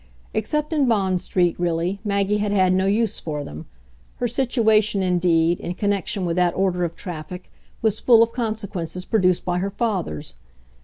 Except in Bond Street, really, Maggie had had no use for them: her situation indeed, in connection with that order of traffic, was full of consequences produced by her father's.